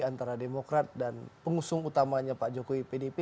antara demokrat dan pengusung utamanya pak jokowi pdp